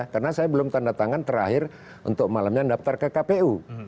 karena saya belum tanda tangan terakhir untuk malamnya daftar ke kpu